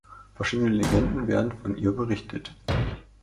Verschiedene Legenden werden von ihr berichtet.